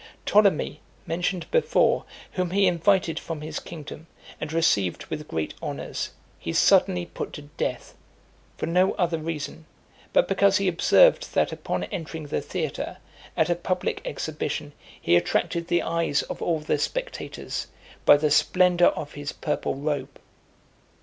Ptolemy, mentioned before, whom he invited from his kingdom, and received with great honours, he suddenly put to death, for no other reason, but because he observed that upon entering the theatre, at a public exhibition, he attracted the eyes of all the spectators, by the splendour of his purple robe.